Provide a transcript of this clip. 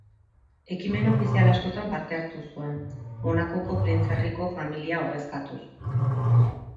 Ekimen ofizial askotan parte hartu zuen, Monakoko printzerriko familia ordezkatuz.